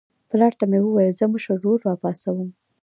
پلار ته مې وویل زه مشر ورور راپاڅوم.